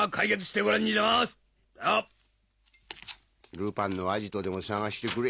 ルパンのアジトでも捜してくれ。